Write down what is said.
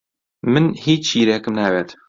من هیچ شیرێکم ناوێت.